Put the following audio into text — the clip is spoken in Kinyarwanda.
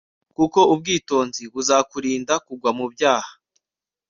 kuko ubwitonzi buzakurinda kugwa mu byaha